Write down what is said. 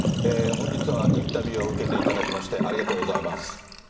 本日はインタビューを受けていただきましてありがとうございます。